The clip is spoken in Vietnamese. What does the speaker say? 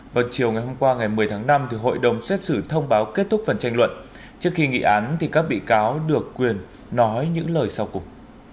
vào chiều ngày hôm qua ngày một mươi tháng năm hội đồng xét xử thông báo kết thúc phần tranh luận trước khi nghị án thì các bị cáo được quyền nói những lời sau cùng